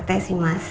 katanya sih mas